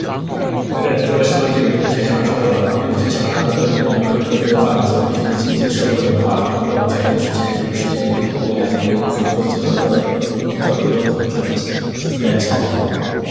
每个人、作为社会的一员，有权享受社会保障，并有权享受他的个人尊严和人格的自由发展所必需的经济、社会和文化方面各种权利的实现，这种实现将通过国家努力和国际合作并依照各国的组织和资源情况。